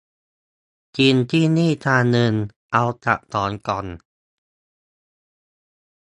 กินที่นี่จานนึง เอากลับสองกล่อง